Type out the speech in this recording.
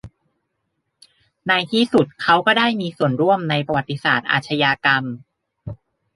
ในที่สุดเขาก็ได้มีส่วนร่วมในประวัติศาสตร์อาชญากรรม